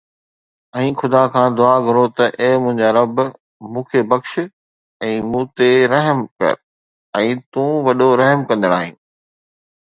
۽ خدا کان دعا گھرو ته اي منهنجا رب مون کي بخش ۽ مون تي رحم ڪر ۽ تون وڏو رحم ڪندڙ آهين